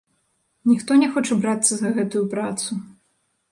Ніхто не хоча брацца за гэтую працу.